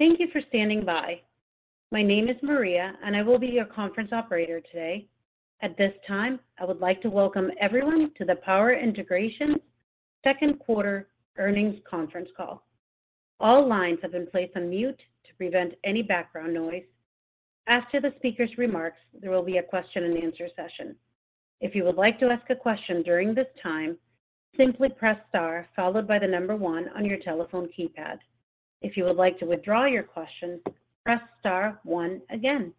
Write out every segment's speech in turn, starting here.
Thank you for standing by. My name is Maria, and I will be your conference operator today. At this time, I would like to welcome everyone to the Power Integrations second quarter earnings conference call. All lines have been placed on mute to prevent any background noise. After the speaker's remarks, there will be a question-and-answer session. If you would like to ask a question during this time, simply press star followed by the number one on your telephone keypad. If you would like to withdraw your question, press star one again.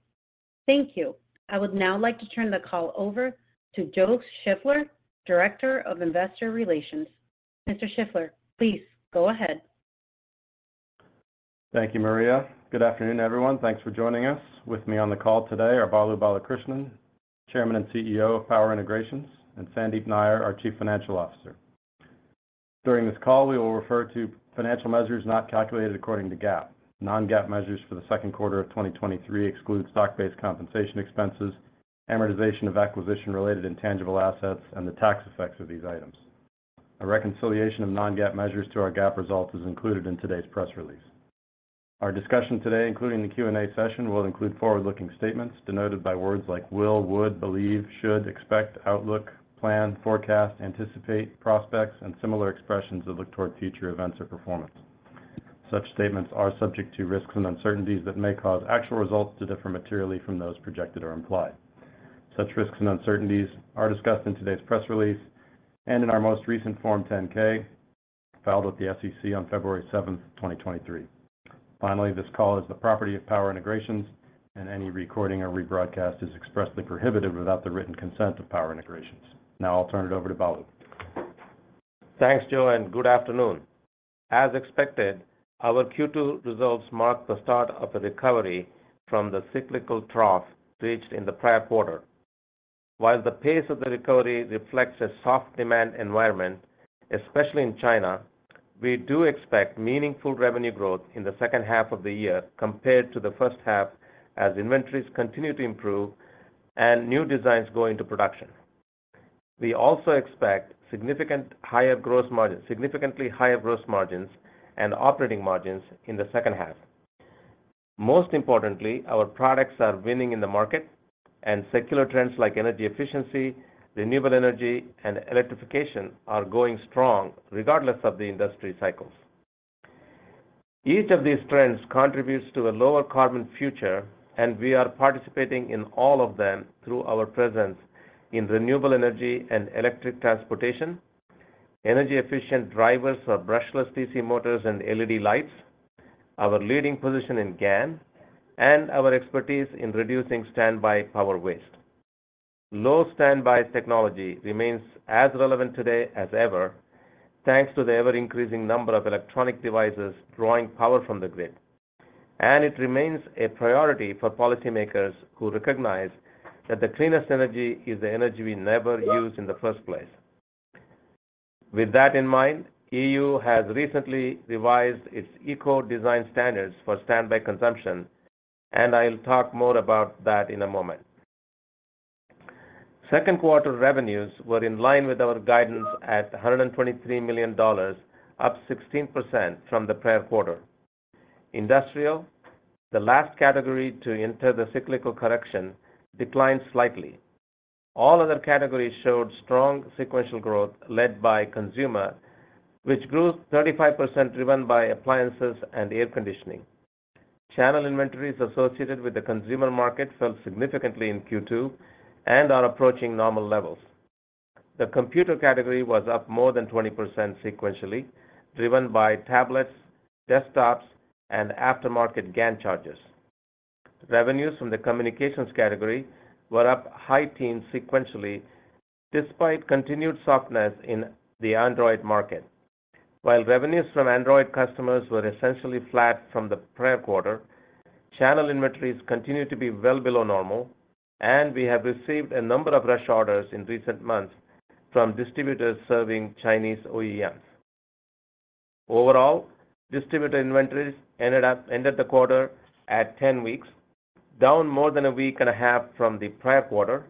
Thank you. I would now like to turn the call over to Joe Shiffler, Director of Investor Relations. Mr. Shiffler, please go ahead. Thank you, Maria. Good afternoon, everyone. Thanks for joining us. With me on the call today are Balu Balakrishnan, Chairman and CEO of Power Integrations, and Sandeep Nayyar, our Chief Financial Officer. During this call, we will refer to financial measures not calculated according to GAAP. Non-GAAP measures for the second quarter of 2023 exclude stock-based compensation expenses, amortization of acquisition-related intangible assets, and the tax effects of these items. A reconciliation of non-GAAP measures to our GAAP results is included in today's press release. Our discussion today, including the Q&A session, will include forward-looking statements denoted by words like will, would, believe, should, expect, outlook, plan, forecast, anticipate, prospects, and similar expressions that look toward future events or performance. Such statements are subject to risks and uncertainties that may cause actual results to differ materially from those projected or implied. Such risks and uncertainties are discussed in today's press release and in our most recent Form 10-K, filed with the SEC on February seventh, 2023. This call is the property of Power Integrations, and any recording or rebroadcast is expressly prohibited without the written consent of Power Integrations. I'll turn it over to Balu. Thanks, Joe. Good afternoon. As expected, our Q2 results mark the start of a recovery from the cyclical trough reached in the prior quarter. While the pace of the recovery reflects a soft demand environment, especially in China, we do expect meaningful revenue growth in the second half of the year compared to the first half, as inventories continue to improve and new designs go into production. We also expect significantly higher gross margins and operating margins in the second half. Most importantly, our products are winning in the market, secular trends like energy efficiency, renewable energy, and electrification are going strong, regardless of the industry cycles. Each of these trends contributes to a lower carbon future. We are participating in all of them through our presence in renewable energy and electric transportation, energy-efficient drivers for brushless DC motors and LED lights, our leading position in GaN, and our expertise in reducing standby power waste. Low standby technology remains as relevant today as ever, thanks to the ever-increasing number of electronic devices drawing power from the grid. It remains a priority for policymakers who recognize that the cleanest energy is the energy we never use in the first place. With that in mind, EU has recently revised its Ecodesign standards for standby consumption. I'll talk more about that in a moment. Second quarter revenues were in line with our guidance at $123 million, up 16% from the prior quarter. Industrial, the last category to enter the cyclical correction, declined slightly. All other categories showed strong sequential growth, led by consumer, which grew 35%, driven by appliances and air conditioning. Channel inventories associated with the consumer market fell significantly in Q2 and are approaching normal levels. The computer category was up more than 20% sequentially, driven by tablets, desktops, and aftermarket GaN chargers. Revenues from the communications category were up high teens sequentially, despite continued softness in the Android market. While revenues from Android customers were essentially flat from the prior quarter, channel inventories continued to be well below normal, and we have received a number of rush orders in recent months from distributors serving Chinese OEMs. Overall, distributor inventories ended the quarter at 10 weeks, down more than a week and a half from the prior quarter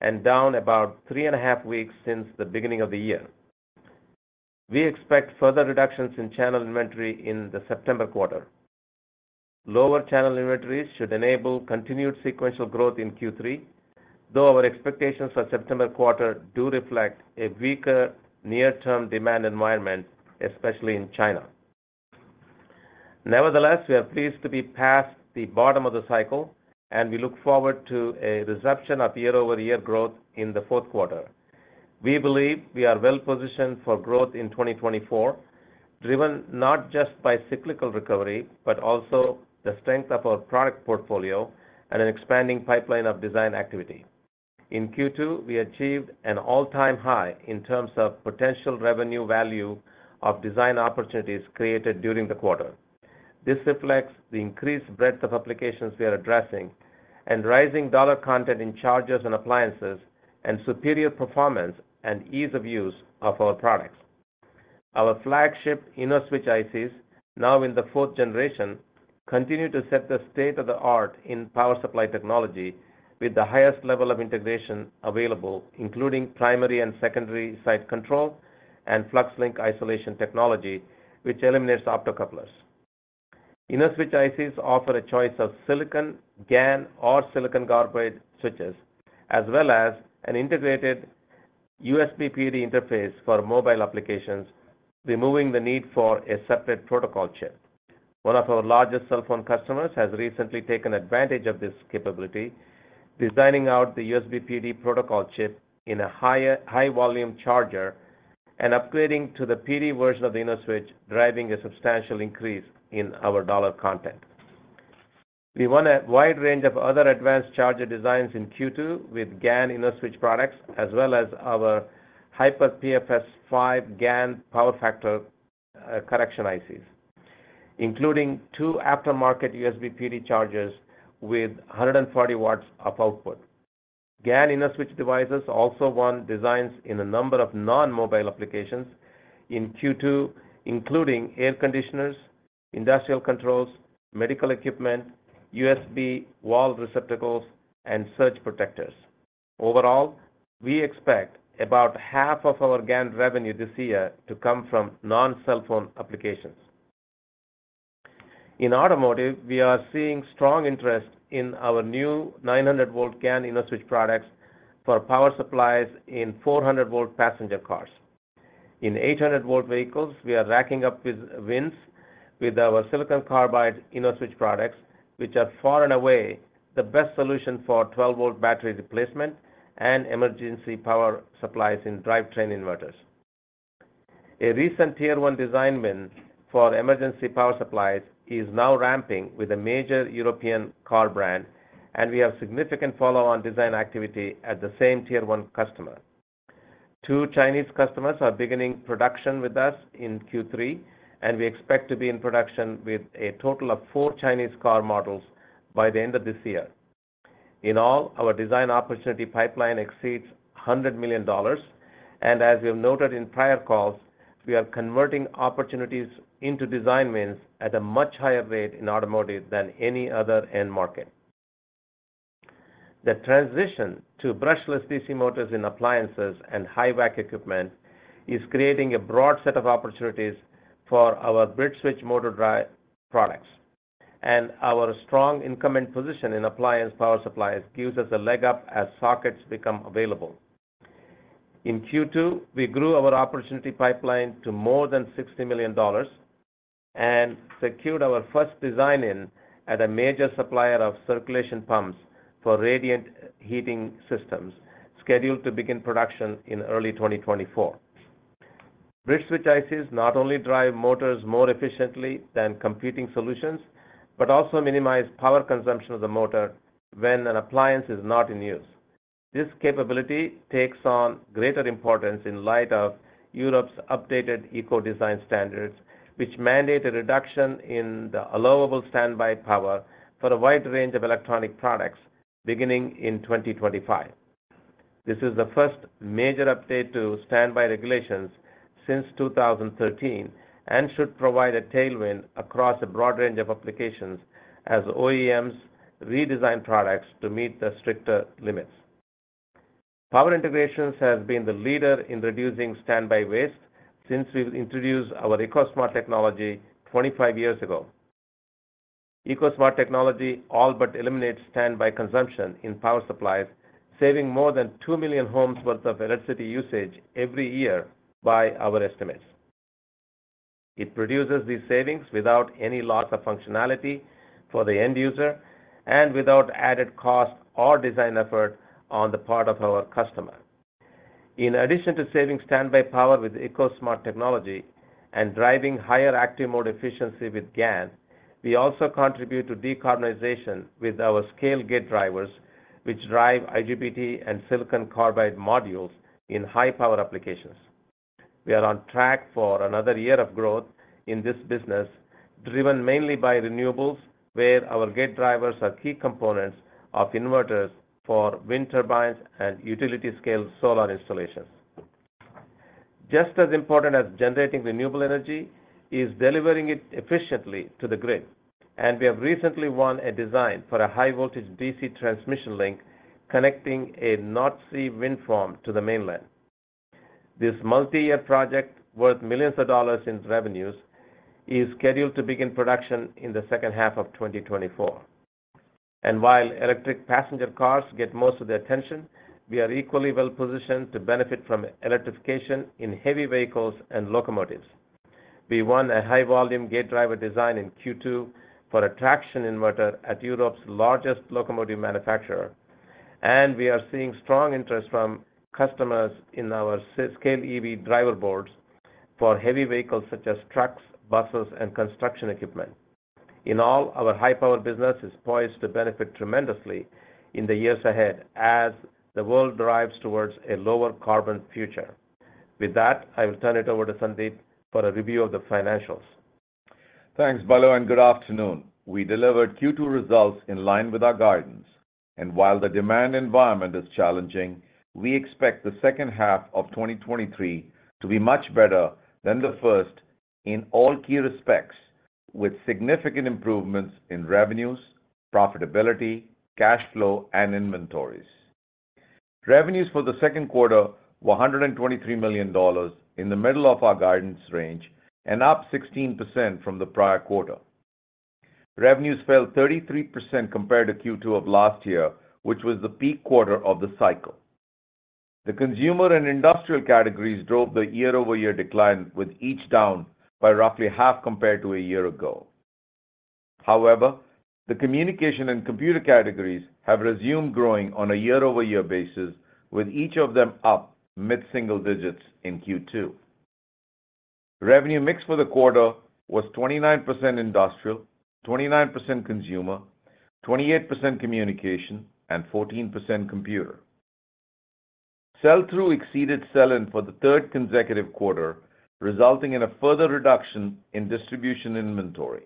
and down about three and a half weeks since the beginning of the year. We expect further reductions in channel inventory in the September quarter. Lower channel inventories should enable continued sequential growth in Q3, though our expectations for September quarter do reflect a weaker near-term demand environment, especially in China. Nevertheless, we are pleased to be past the bottom of the cycle, and we look forward to a resumption of year-over-year growth in the fourth quarter. We believe we are well positioned for growth in 2024, driven not just by cyclical recovery, but also the strength of our product portfolio and an expanding pipeline of design activity. In Q2, we achieved an all-time high in terms of potential revenue value of design opportunities created during the quarter. This reflects the increased breadth of applications we are addressing and rising dollar content in chargers and appliances, and superior performance and ease of use of our products. Our flagship InnoSwitch ICs, now in the fourth generation, continue to set the state-of-the-art in power supply technology with the highest level of integration available, including primary and secondary side control and FluxLink isolation technology, which eliminates optocouplers. InnoSwitch ICs offer a choice of silicon, GaN, or silicon carbide switches, as well as an integrated USB PD interface for mobile applications, removing the needs for a separate protocol chip. One of our largest cell phone customers has recently taken advantage of this capability, designing out the USB PD protocol chip in a high-volume charger and upgrading to the PD version of the InnoSwitch, driving a substantial increase in our dollar content. We won a wide range of other advanced charger designs in Q2 with GaN InnoSwitch products, as well as our HiperPFS-5 GaN power factor correction ICs, including two aftermarket USB PD chargers with 140 watts of output. GaN InnoSwitch devices also won designs in a number of non-mobile applications in Q2, including air conditioners, industrial controls, medical equipment, USB wall receptacles, and surge protectors. Overall, we expect about half of our GaN revenue this year to come from non-cell phone applications. In automotive, we are seeing strong interest in our new 900 volt GaN InnoSwitch products for power supplies in 400 volt passenger cars. In 800 volt vehicles, we are racking up with wins with our silicon carbide InnoSwitch products, which are far and away the best solution for 12-volt battery replacement and emergency power supplies in drivetrain inverters. A recent Tier One design win for emergency power supplies is now ramping with a major European car brand, and we have significant follow-on design activity at the same Tier One customer. two Chinese customers are beginning production with us in Q3, and we expect to be in production with a total of four Chinese car models by the end of this year. In all, our design opportunity pipeline exceeds $100 million, and as we have noted in prior calls, we are converting opportunities into design wins at a much higher rate in automotive than any other end market. The transition to brushless DC motors in appliances and HVAC equipment is creating a broad set of opportunities for our BridgeSwitch motor drive products, and our strong incumbent position in appliance power supplies gives us a leg up as sockets become available. In Q2, we grew our opportunity pipeline to more than $60 million and secured our first design in at a major supplier of circulation pumps for radiant heating systems, scheduled to begin production in early 2024. BridgeSwitch ICs not only drive motors more efficiently than competing solutions, but also minimize power consumption of the motor when an appliance is not in use. This capability takes on greater importance in light of Europe's updated Ecodesign standards, which mandate a reduction in the allowable standby power for a wide range of electronic products beginning in 2025. This is the first major update to standby regulations since 2013, and should provide a tailwind across a broad range of applications as OEMs redesign products to meet the stricter limits. Power Integrations has been the leader in reducing standby waste since we introduced our EcoSmart technology 25 years ago. EcoSmart technology all but eliminates standby consumption in power supplies, saving more than two million homes worth of electricity usage every year by our estimates. It produces these savings without any loss of functionality for the end user and without added cost or design effort on the part of our customer. In addition to saving standby power with EcoSmart technology and driving higher active mode efficiency with GaN, we also contribute to decarbonization with our SCALE gate drivers, which drive IGBT and silicon carbide modules in high-power applications. We are on track for another year of growth in this business, driven mainly by renewables, where our gate drivers are key components of inverters for wind turbines and utility-scale solar installations. Just as important as generating renewable energy is delivering it efficiently to the grid. We have recently won a design for a high voltage DC transmission link connecting a North Sea wind farm to the mainland. This multi-year project, worth millions of dollars in revenues, is scheduled to begin production in the second half of 2024. While electric passenger cars get most of the attention, we are equally well positioned to benefit from electrification in heavy vehicles and locomotives. We won a high-volume gate driver design in Q2 for a traction inverter at Europe's largest locomotive manufacturer, and we are seeing strong interest from customers in our SCALE EV driver boards for heavy vehicles such as trucks, buses, and construction equipment. In all, our high-power business is poised to benefit tremendously in the years ahead as the world drives towards a lower carbon future. With that, I will turn it over to Sandeep for a review of the financials. Thanks, Balu. Good afternoon. We delivered Q2 results in line with our guidance, and while the demand environment is challenging, we expect the second half of 2023 to be much better than the first in all key respects, with significant improvements in revenues, profitability, cash flow, and inventories. Revenues for the second quarter were $123 million in the middle of our guidance range, and up 16% from the prior quarter. Revenues fell 33% compared to Q2 of last year, which was the peak quarter of the cycle. The consumer and industrial categories drove the year-over-year decline, with each down by roughly half compared to a year ago. However, the communication and computer categories have resumed growing on a year-over-year basis, with each of them up mid-single digits in Q2. Revenue mix for the quarter was 29% industrial, 29% consumer, 28% communication, and 14% computer. Sell-through exceeded sell-in for the third consecutive quarter, resulting in a further reduction in distribution inventory.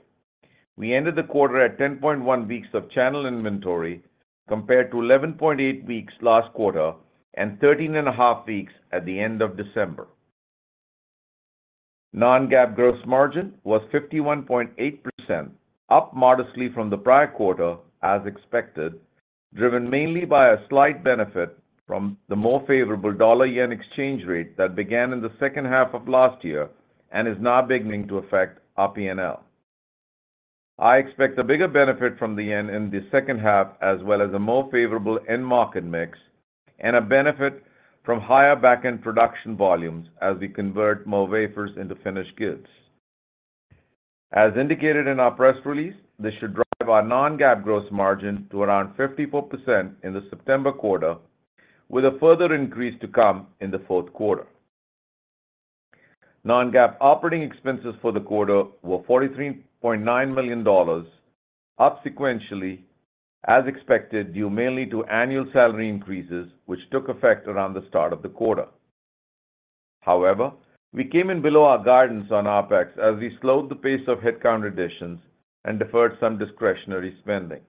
We ended the quarter at 10.1 weeks of channel inventory, compared to 11.8 weeks last quarter, and 13.5 weeks at the end of December. Non-GAAP gross margin was 51.8%, up modestly from the prior quarter as expected, driven mainly by a slight benefit from the more favorable dollar-yen exchange rate that began in the second half of last year and is now beginning to affect our P&L. I expect a bigger benefit from the yen in the second half, as well as a more favorable end market mix, and a benefit from higher back-end production volumes as we convert more wafers into finished goods. As indicated in our press release, this should drive our Non-GAAP gross margin to around 54% in the September quarter, with a further increase to come in the fourth quarter. Non-GAAP operating expenses for the quarter were $43.9 million, up sequentially as expected, due mainly to annual salary increases, which took effect around the start of the quarter. We came in below our guidance on OpEx as we slowed the pace of headcount additions and deferred some discretionary spending.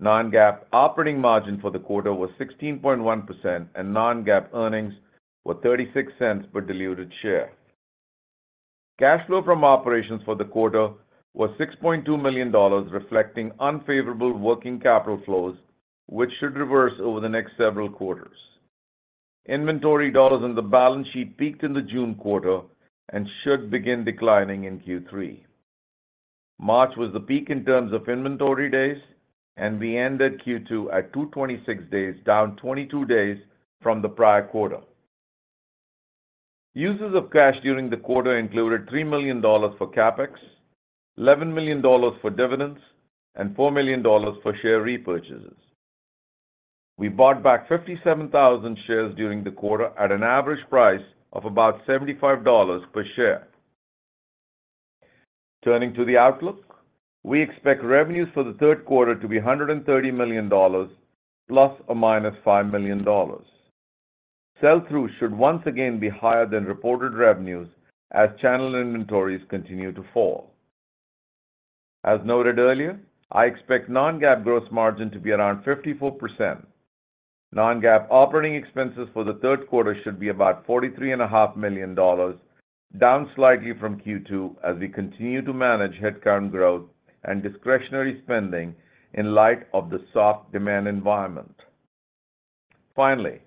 Non-GAAP operating margin for the quarter was 16.1%, and Non-GAAP earnings were $0.36 per diluted share. Cash flow from operations for the quarter was $6.2 million, reflecting unfavorable working capital flows, which should reverse over the next several quarters. Inventory dollars on the balance sheet peaked in the June quarter and should begin declining in Q3. March was the peak in terms of inventory days, and we ended Q2 at 226 days, down 22 days from the prior quarter. Uses of cash during the quarter included $3 million for CapEx, $11 million for dividends, and $4 million for share repurchases. We bought back 57,000 shares during the quarter at an average price of about $75 per share. Turning to the outlook, we expect revenues for the third quarter to be $130 million, ±$5 million. Sell-through should once again be higher than reported revenues as channel inventories continue to fall. As noted earlier, I expect non-GAAP gross margin to be around 54%. Non-GAAP operating expenses for the third quarter should be about $43.5 million, down slightly from Q2 as we continue to manage headcount growth and discretionary spending in light of the soft demand environment. Finally,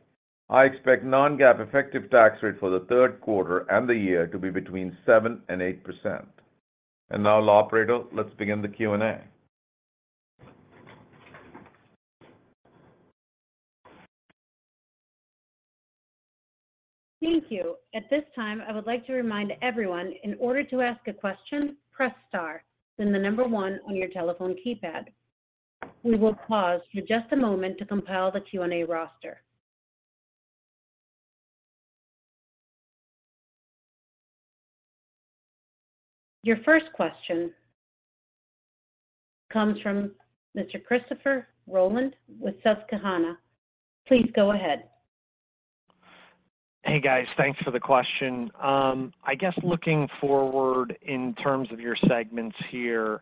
I expect non-GAAP effective tax rate for the third quarter and the year to be between 7% and 8%. Now, operator, let's begin the Q&A. Thank you. At this time, I would like to remind everyone, in order to ask a question, press star, then the number 1 on your telephone keypad. We will pause for just a moment to compile the Q&A roster. Your first question comes from Mr. Christopher Rolland with Susquehanna. Please go ahead. Hey, guys. Thanks for the question. I guess looking forward in terms of your segments here,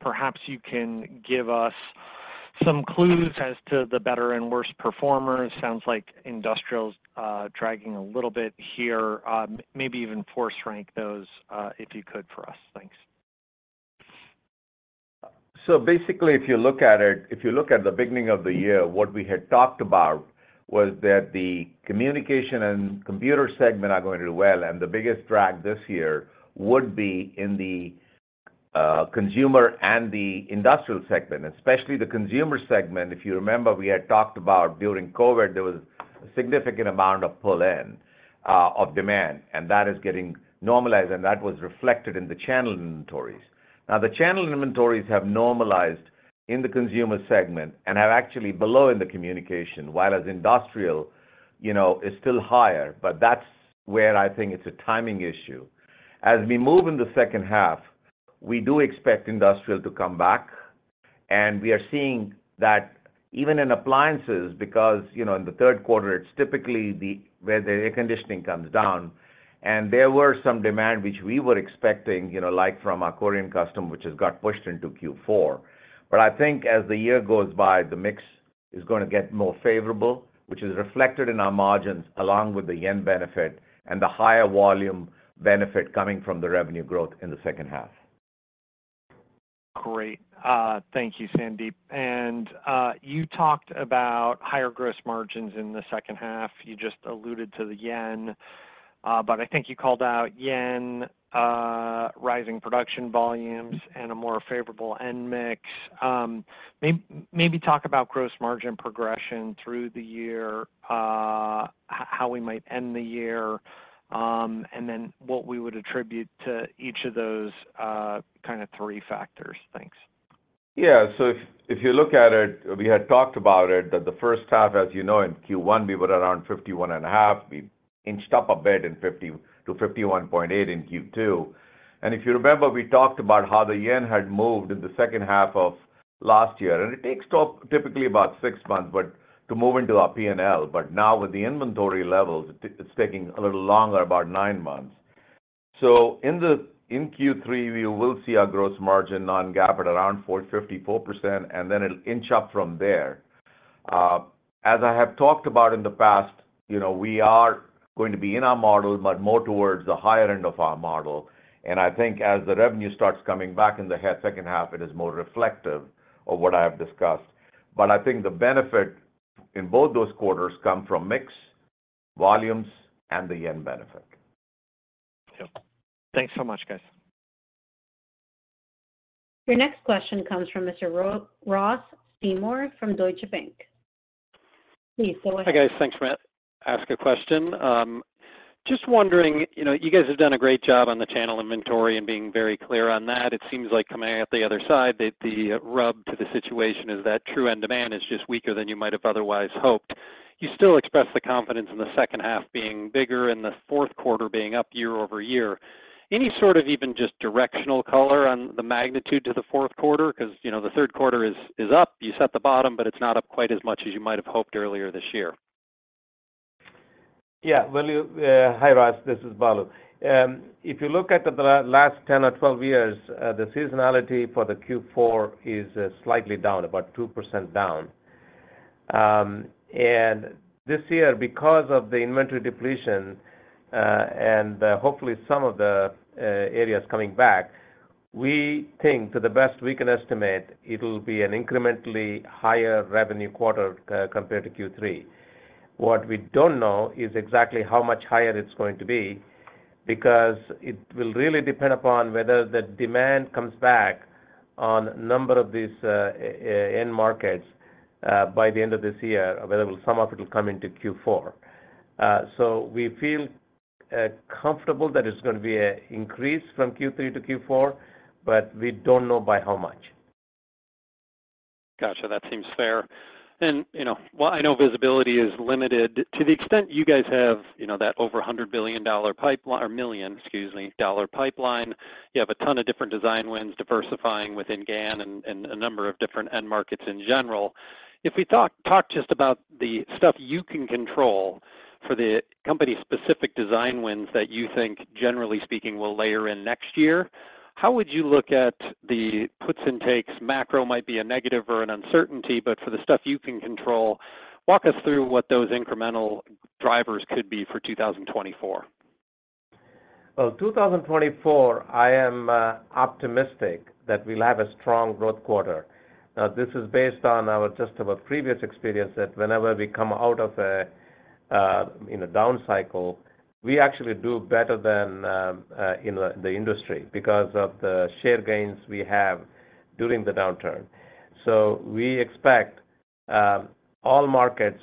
perhaps you can give us some clues as to the better and worse performers. Sounds like industrial's dragging a little bit here. Maybe even force rank those if you could, for us. Thanks. Basically, if you look at it, if you look at the beginning of the year, what we had talked about was that the communication and computer segment are going to do well, and the biggest drag this year would be in the consumer and the industrial segment, especially the consumer segment. If you remember, we had talked about during COVID, there was a significant amount of pull-in of demand, and that is getting normalized, and that was reflected in the channel inventories. Now, the channel inventories have normalized in the consumer segment and are actually below in the communication, while as industrial, you know, is still higher, but that's where I think it's a timing issue. As we move in the second half, we do expect industrial to come back. We are seeing that even in appliances, because, you know, in the third quarter, it's typically the where the air conditioning comes down. There were some demand which we were expecting, you know, like from our Korean customer, which has got pushed into Q4. I think as the year goes by, the mix is gonna get more favorable, which is reflected in our margins, along with the yen benefit and the higher volume benefit coming from the revenue growth in the second half. Great. Thank you, Sandeep. You talked about higher gross margins in the second half. You just alluded to the yen, but I think you called out yen, rising production volumes, and a more favorable end mix. Maybe talk about gross margin progression through the year, how we might end the year, and then what we would attribute to each of those three factors. Thanks. Yeah. If, if you look at it, we had talked about it, that the first half, as you know, in Q1, we were around 51.5. We inched up a bit to 51.8 in Q2. If you remember, we talked about how the yen had moved in the second half of last year, it takes talk typically about 6 months to move into our P&L. Now with the inventory levels, it, it's taking a little longer, about 9 months. In Q3, we will see our gross margin non-GAAP at around 4.54%, then it'll inch up from there. As I have talked about in the past, you know, we are going to be in our model, more towards the higher end of our model. I think as the revenue starts coming back in the second half, it is more reflective of what I have discussed. I think the benefit in both those quarters come from mix, volumes, and the yen benefit. Yeah. Thanks so much, guys. Your next question comes from Mr. Ross Seymore from Deutsche Bank. Please, go ahead. Hi, guys. Thanks for ask a question. Just wondering, you know, you guys have done a great job on the channel inventory and being very clear on that. It seems like coming out the other side, the, the rub to the situation is that true end demand is just weaker than you might have otherwise hoped. You still express the confidence in the second half being bigger and the fourth quarter being up year-over-year. Any sort of even just directional color on the magnitude to the fourth quarter? Because, you know, the third quarter is, is up. You set the bottom, but it's not up quite as much as you might have hoped earlier this year. Yeah, well, you-- hi, Ross, this is Balu. If you look at the la- last 10 or 12 years, the seasonality for the Q4 is slightly down, about 2% down. This year, because of the inventory depletion, and hopefully some of the areas coming back, we think to the best we can estimate, it'll be an incrementally higher revenue quarter, compared to Q3. What we don't know is exactly how much higher it's going to be, because it will really depend upon whether the demand comes back on a number of these end markets, by the end of this year, whether some of it will come into Q4. We feel comfortable that it's going to be a increase from Q3 to Q4, but we don't know by how much. Got you. That seems fair. You know, well, I know visibility is limited. To the extent you guys have, you know, that over a $100 billion dollar pipeline or million, excuse me, dollar pipeline, you have a ton of different design wins, diversifying within GaN and a number of different end markets in general. If we talk just about the stuff you can control for the company's specific design wins that you think, generally speaking, will layer in next year, how would you look at the puts and takes? Macro might be a negative or an uncertainty, but for the stuff you can control, walk us through what those incremental drivers could be for 2024. Well, 2024, I am optimistic that we'll have a strong growth quarter. Now, this is based on our just our previous experience, that whenever we come out of a, you know, down cycle, we actually do better than, you know, the industry because of the share gains we have during the downturn. We expect all markets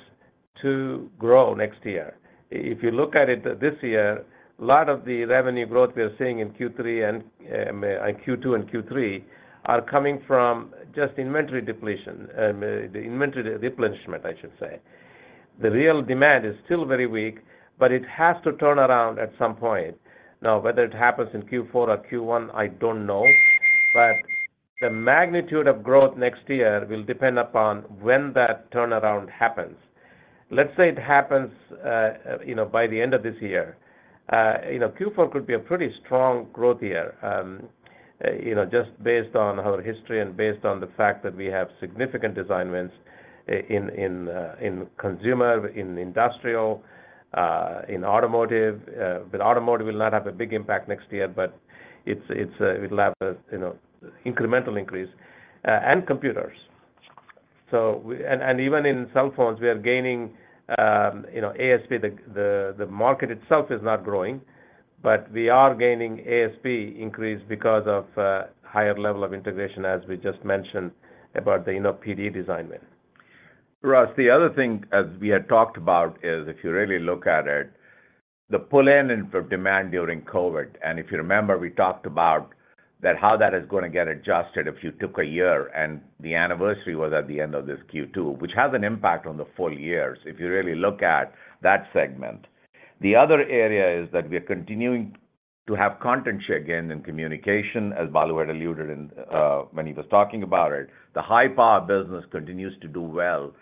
to grow next year. If you look at it this year, a lot of the revenue growth we are seeing in Q3 and in Q2 and Q3 are coming from just inventory depletion, the inventory replenishment, I should say. The real demand is still very weak, but it has to turn around at some point. Now, whether it happens in Q4 or Q1, I don't know. The magnitude of growth next year will depend upon when that turnaround happens. Let's say it happens, you know, by the end of this year. You know, Q4 could be a pretty strong growth year, you know, just based on our history and based on the fact that we have significant design wins in consumer, in industrial, in automotive. Automotive will not have a big impact next year, but it's, it'll have a, you know, incremental increase, and computers. Even in cell phones, we are gaining, you know, ASP, the market itself is not growing, but we are gaining ASP increase because of higher level of integration, as we just mentioned about the, you know, PD design win. Ross, the other thing, as we had talked about, is if you really look at it, the pull in of demand during COVID, and if you remember, we talked about that, how that is going to get adjusted if you took a year and the anniversary was at the end of this Q2, which has an impact on the full years, if you really look at that segment. The other area is that we are continuing to have content share gain in communication, as Balu had alluded in when he was talking about it. The high power business continues to do well.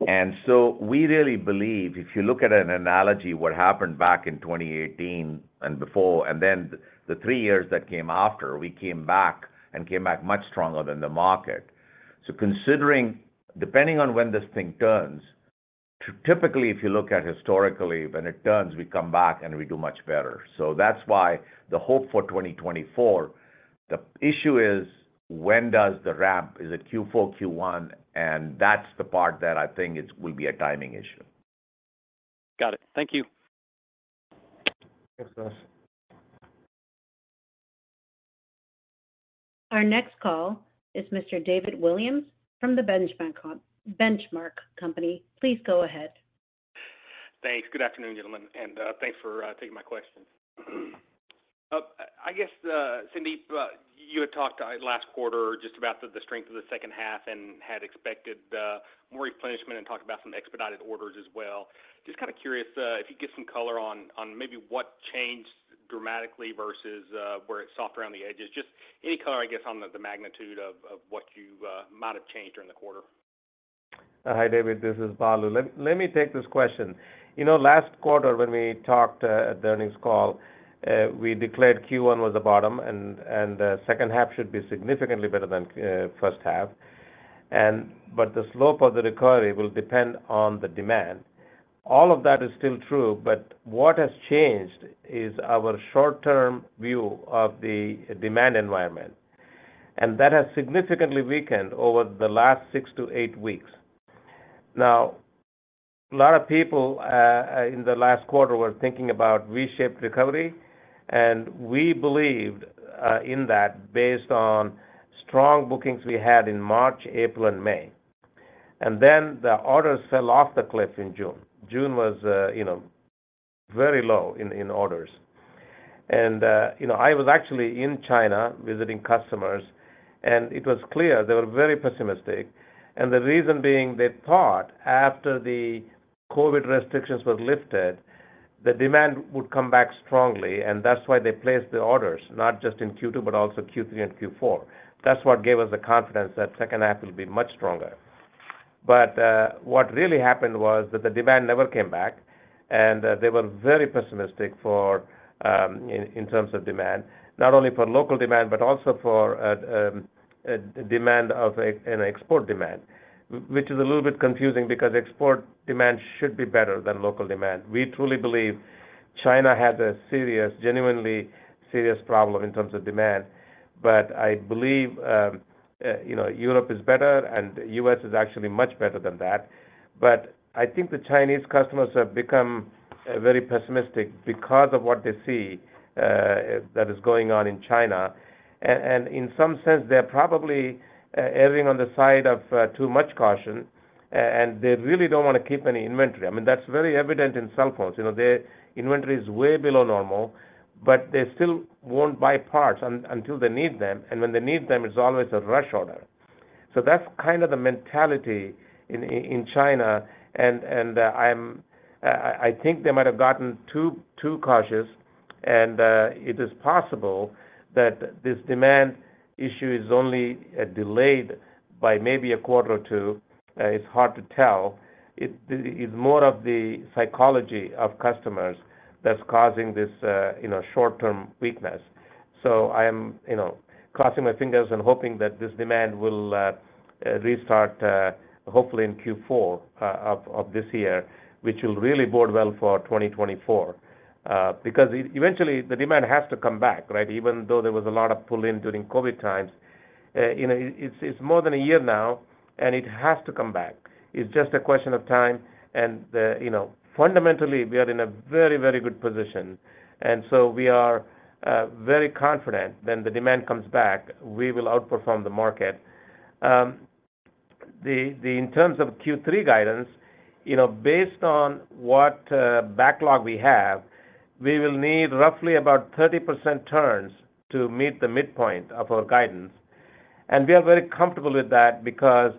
We really believe if you look at an analogy, what happened back in 2018 and before, and then the three years that came after, we came back and came back much stronger than the market. Considering, depending on when this thing turns. .Typically, if you look at historically, when it turns, we come back and we do much better. That's why the hope for 2024, the issue is, when does the ramp? Is it Q4, Q1? That's the part that I think it will be a timing issue. Got it. Thank you. Thanks, Josh. Our next call is Mr. David Williams from The Benchmark Company. Please go ahead. Thanks. Good afternoon, gentlemen, and thanks for taking my question. I guess, Sandeep, you had talked last quarter just about the, the strength of the second half and had expected more replenishment and talked about some expedited orders as well. Just kind of curious, if you could give some color on, on maybe what changed dramatically versus where it softened around the edges? Just any color, I guess, on the, the magnitude of, of what you might have changed during the quarter? Hi, David, this is Balu. Let me take this question. You know, last quarter, when we talked at the earnings call, we declared Q1 was the bottom, and second half should be significantly better than first half. But the slope of the recovery will depend on the demand. All of that is still true, but what has changed is our short-term view of the demand environment, and that has significantly weakened over the last six to eight weeks. Now, a lot of people in the last quarter were thinking about V-shaped recovery, and we believed in that based on strong bookings we had in March, April, and May. Then the orders fell off the cliff in June. June was, you know, very low in orders. You know, I was actually in China visiting customers, and it was clear they were very pessimistic, and the reason being, they thought after the COVID restrictions were lifted, the demand would come back strongly, and that's why they placed the orders, not just in Q2, but also Q3 and Q4. That's what gave us the confidence that second half will be much stronger. What really happened was that the demand never came back, and they were very pessimistic for in, in terms of demand, not only for local demand, but also for a demand of a, an export demand, which is a little bit confusing because export demand should be better than local demand. We truly believe China had a serious, genuinely serious problem in terms of demand. I believe, you know, Europe is better and U.S. is actually much better than that. I think the Chinese customers have become very pessimistic because of what they see that is going on in China. In some sense, they're probably erring on the side of too much caution, and they really don't want to keep any inventory. I mean, that's very evident in cell phones. You know, their inventory is way below normal, but they still won't buy parts until they need them, and when they need them, it's always a rush order. That's kind of the mentality in China, and I think they might have gotten too cautious, and it is possible that this demand issue is only delayed by maybe a quarter or 2. It's hard to tell. This is more of the psychology of customers that's causing this, you know, short-term weakness. I am, you know, crossing my fingers and hoping that this demand will restart hopefully in Q4 of this year, which will really bode well for 2024. Because eventually the demand has to come back, right? Even though there was a lot of pull-in during COVID times, you know, it's, it's more than one year now, and it has to come back. It's just a question of time and the. You know, fundamentally, we are in a very, very good position. We are very confident when the demand comes back, we will outperform the market. In terms of Q3 guidance, you know, based on what backlog we have, we will need roughly about 30% turns to meet the midpoint of our guidance. We are very comfortable with that because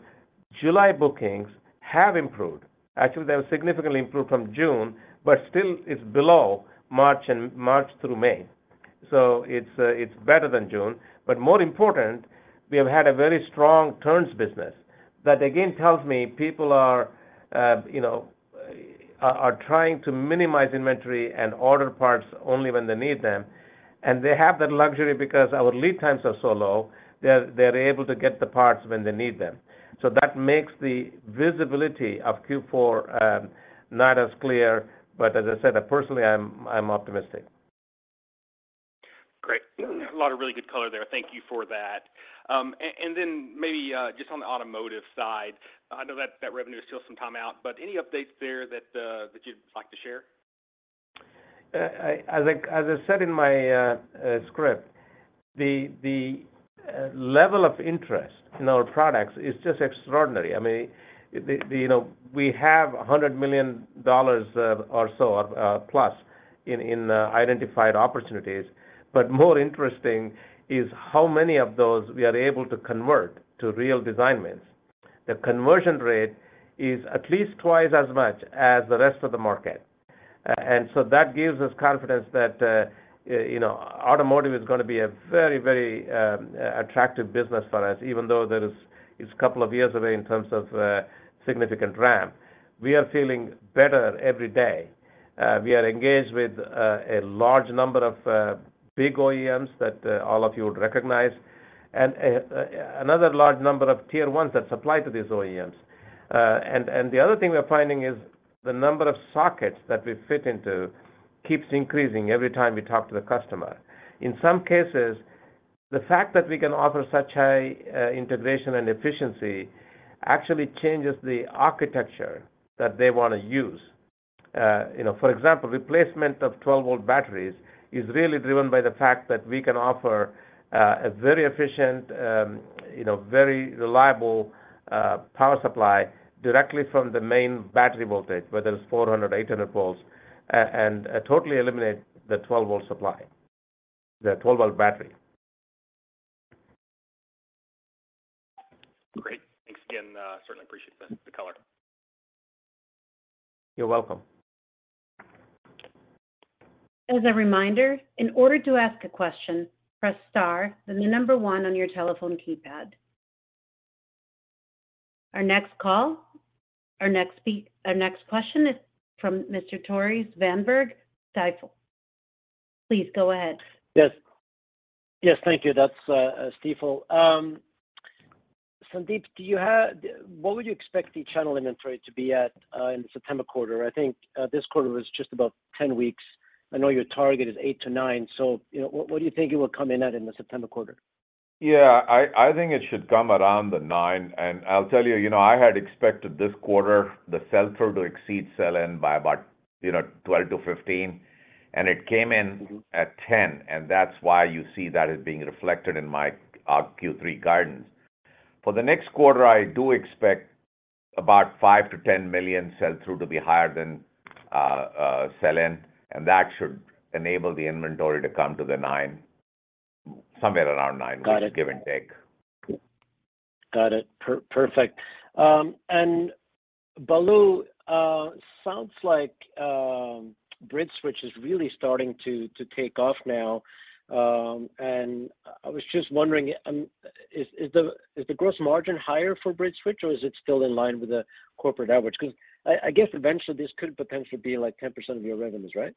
July bookings have improved. Actually, they have significantly improved from June. Still it's below March and March through May. It's better than June. More important, we have had a very strong turns business. That again, tells me people are, you know, trying to minimize inventory and order parts only when they need them. They have that luxury because our lead times are so low, they're, they're able to get the parts when they need them. That makes the visibility of Q4 not as clear, but as I said, personally, I'm, I'm optimistic. Great. A lot of really good color there. Thank you for that. Then maybe, just on the automotive side, I know that, that revenue is still some time out, but any updates there that you'd like to share? As I said in my script, the level of interest in our products is just extraordinary. I mean, you know, we have $100 million or so plus in identified opportunities, but more interesting is how many of those we are able to convert to real design wins. The conversion rate is at least twice as much as the rest of the market. So that gives us confidence that, you know, automotive is gonna be a very, very attractive business for us, even though it's a couple of years away in terms of significant ramp. We are feeling better every day. We are engaged with a large number of big OEMs that all of you would recognize, and another large number of Tier One that supply to these OEMs. The other thing we're finding is the number of sockets that we fit into keeps increasing every time we talk to the customer. In some cases, the fact that we can offer such high integration and efficiency actually changes the architecture that they wanna use. You know, for example, replacement of 12-volt batteries is really driven by the fact that we can offer a very efficient, you know, very reliable power supply directly from the main battery voltage, whether it's 400, 800 volts, and totally eliminate the 12-volt supply, the 12-volt battery. Great. Thanks again, certainly appreciate the, the color. You're welcome. As a reminder, in order to ask a question, press star, then the one on your telephone keypad. Our next call, our next Our next question is from Mr. Tore Svanberg Stifel. Please go ahead. Yes. Yes, thank you. That's Stifel. Sandeep, do you have-- What would you expect the channel inventory to be at in the September quarter? I think this quarter was just about 10 weeks. I know your target is eight to nine, so, you know, what, what do you think it will come in at in the September quarter? Yeah, I, I think it should come around the nine. I'll tell you, you know, I had expected this quarter, the sell-through to exceed sell-in by about, you know, 12-15, and it came in. Mm-hmm. At 10, and that's why you see that as being reflected in my, our Q3 guidance. For the next quarter, I do expect about $5 million-$10 million sell-through to be higher than sell-in, and that should enable the inventory to come to the nine, somewhere around nine. Got it. Give and take. Got it. Perfect. Balu, sounds like, BridgeSwitch is really starting to take off now, and I was just wondering, is the gross margin higher for BridgeSwitch, or is it still in line with the corporate average? 'Cause I, I guess eventually this could potentially be, like, 10% of your revenues, right?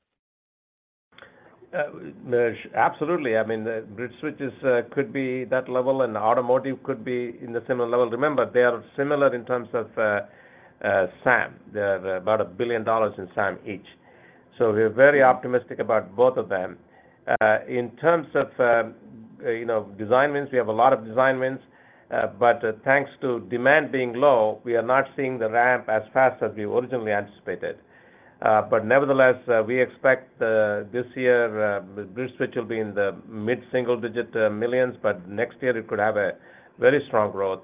Absolutely. I mean, the BridgeSwitch is, could be that level, and automotive could be in the similar level. Remember, they are similar in terms of SAM. They're about $1 billion in SAM each. We're very optimistic about both of them. In terms of, you know, design wins, we have a lot of design wins, but thanks to demand being low, we are not seeing the ramp as fast as we originally anticipated. Nevertheless, we expect this year, BridgeSwitch will be in the mid-single digit millions, but next year it could have a very strong growth,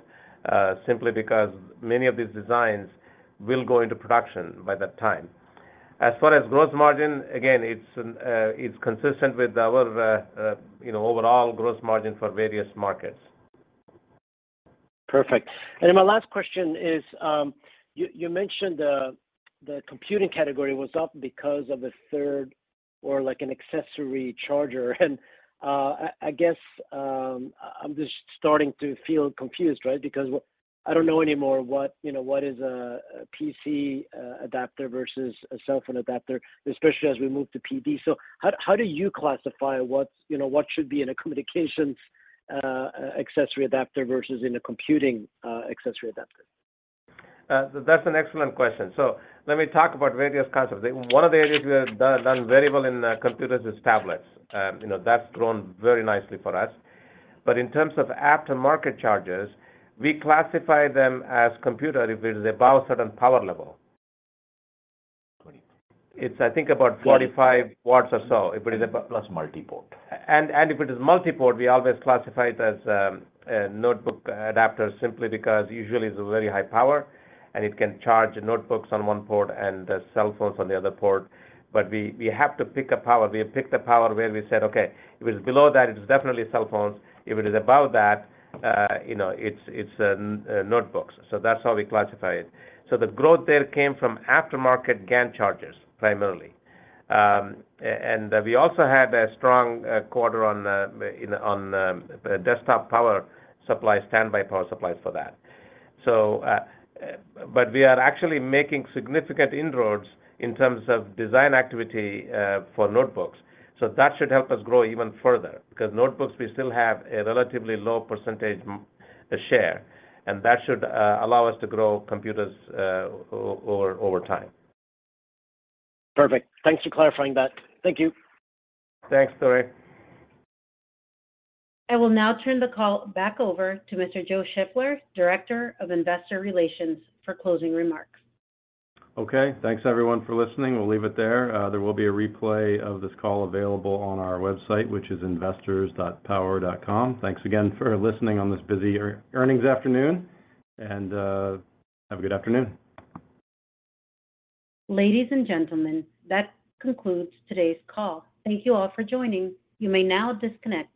simply because many of these designs will go into production by that time. As far as gross margin, again, it's, it's consistent with our, you know, overall gross margin for various markets. Perfect. My last question is, you, you mentioned the computing category was up because of a third or, like, an accessory charger, I, I guess, I'm just starting to feel confused, right? What... I don't know anymore what, you know, what is a PC adapter versus a cell phone adapter, especially as we move to PD. How, how do you classify what's, you know, what should be in a communications accessory adapter versus in a computing accessory adapter? That's an excellent question. Let me talk about various concepts. One of the areas we have done, done very well in, computers is tablets. You know, that's grown very nicely for us. In terms of aftermarket chargers, we classify them as computer if it is above a certain power level. Twenty. It's, I think, about 45 watts or so. Plus multi-port. If it is multi-port, we always classify it as a notebook adapter simply because usually it's a very high power, and it can charge notebooks on one port and cell phones on the other port. We, we have to pick a power. We pick the power where we said, "Okay, if it's below that, it's definitely cell phones. If it is above that, you know, it's, it's, notebooks." That's how we classify it. The growth there came from aftermarket GaN chargers, primarily. And we also had a strong quarter on the, in the, on the desktop power supply, standby power supplies for that. But we are actually making significant inroads in terms of design activity for notebooks. That should help us grow even further, because notebooks, we still have a relatively low %, share, and that should allow us to grow computers over time. Perfect. Thanks for clarifying that. Thank you. Thanks, Tore. I will now turn the call back over to Mr. Joe Shiffler, Director of Investor Relations, for closing remarks. Okay. Thanks everyone for listening. We'll leave it there. There will be a replay of this call available on our website, which is investors.power.com. Thanks again for listening on this busy earnings afternoon, have a good afternoon. Ladies and gentlemen, that concludes today's call. Thank you all for joining. You may now disconnect.